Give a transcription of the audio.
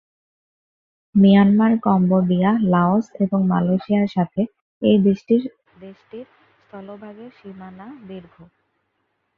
Myanmar, Cambodia, Laos এবং মালয়েশিয়ার সাথে এই দেশটির স্থলভাগের সীমানা দীর্ঘ।